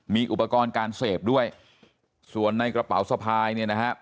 มีอุปกรณ์การเสพด้วยส่วนในกระเป๋าสะพายเนี่ยนะฮะ